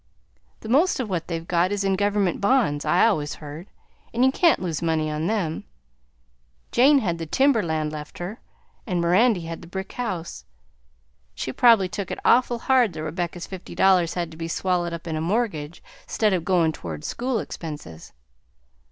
"The most o' what they've got is in gov'ment bonds, I always heard, and you can't lose money on them. Jane had the timber land left her, an' Mirandy had the brick house. She probably took it awful hard that Rebecca's fifty dollars had to be swallowed up in a mortgage, 'stead of goin' towards school expenses.